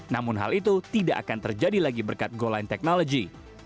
namun hal itu tidak akan terjadi lagi berkat goal line technology